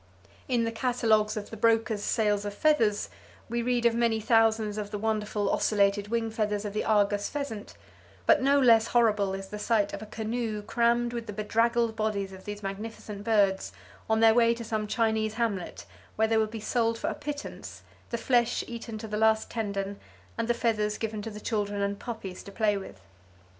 In the catalogues of the brokers' sales of feathers we read of many thousands of the wonderful ocellated wing feathers of the argus pheasant, but no less horrible is the sight of a canoe crammed with the bedraggled bodies of these magnificent birds on their way to some Chinese hamlet where they will be sold for a pittance, the flesh eaten to the last tendon and the feathers given to the children and puppies to play with.